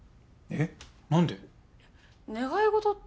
えっ？